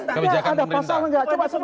tidak ada pasal